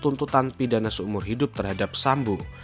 tentu tentu tan pidana seumur hidup terhadap sambo